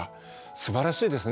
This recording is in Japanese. すばらしいですね。